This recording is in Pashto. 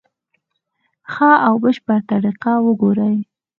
ښه او بشپړه طریقه وګوري.